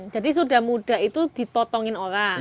jadi sudah muda itu dipotongin orang